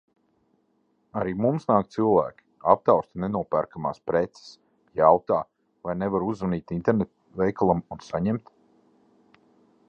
Arī mums nāk cilvēki, aptausta "nenopērkamās" preces, jautā, vai nevar uzzvanīt internetveikalam un saņemt.